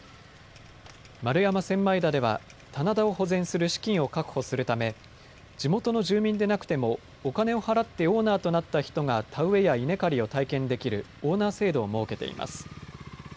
丸山千枚田では棚田を保全する資金を確保するため地元の住民でなくてもお金を払ってオーナーとなった人が田植えや稲刈りを体験できるオーナー制度を設けています。